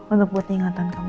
untuk membuat ingatan kamu